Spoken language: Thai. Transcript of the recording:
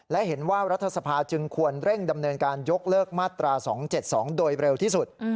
และเห็นว่ารัฐสภาจึงควรเร่งดำเนินการยกเลิกมาตรา๒๗๒โดยเร็วที่สุด